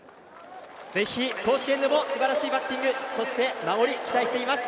ぜひ、甲子園でもすばらしいバッティングそして守り、期待しています。